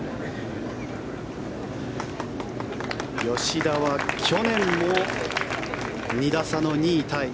吉田は去年も２打差の２位タイ。